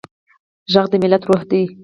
غږ د ملت روح دی